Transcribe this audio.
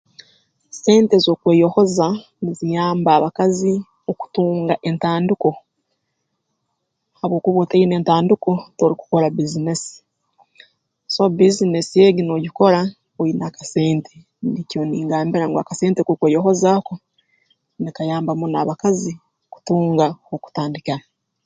Sente z'okweyohoza niziyamba abakazi okutunga entandiko obwokuba otaina ntandiko torukukora bbiizinesi so bbiizinesi egi noogikora oine akasente nikyo ningambira ngu akasente k'okweyohoza ako nikayamba muno abakazi kutunga h'okutandikira